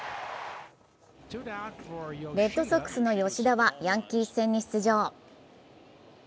レッドソックスの吉田はヤンキース戦に出場。